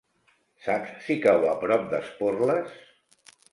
Saps si cau a prop d'Esporles?